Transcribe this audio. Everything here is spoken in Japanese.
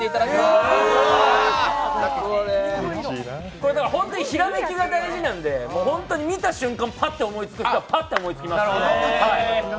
これは本当にひらめきが大事なので、見た瞬間にパッと思いつく人はパッと思いつきます。